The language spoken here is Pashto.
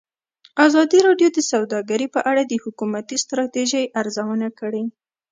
ازادي راډیو د سوداګري په اړه د حکومتي ستراتیژۍ ارزونه کړې.